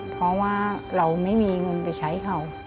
เพราะว่าเราไม่มีเงินไปใช้เขา